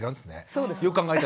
そうです。